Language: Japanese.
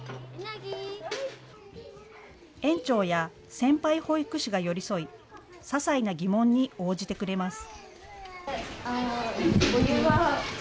園長や先輩保育士が寄り添いささいな疑問に応じてくれます。